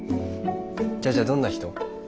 じゃあじゃあどんな人？